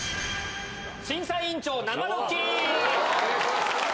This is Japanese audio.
審査委員長生ドッキリ。